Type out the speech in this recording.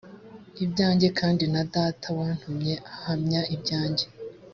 ibyanjye kandi na data wantumye ahamya ibyanjye